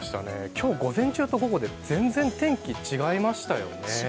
今日午前中と午後で全然天気が違いましたよね。